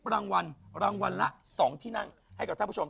รางวัลรางวัลละ๒ที่นั่งให้กับท่านผู้ชม